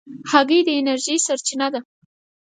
هګۍ د انرژۍ سرچینه ده.